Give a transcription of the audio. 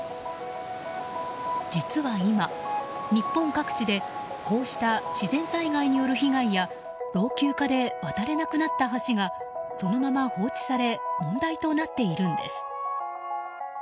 実は今、日本各地でこうした自然災害による被害や老朽化で渡れなくなった橋がそのまま放置され問題となっているんです。